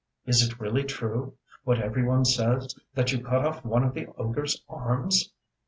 Is it really true, what every one says, that you cut off one of the ogreŌĆÖs arms?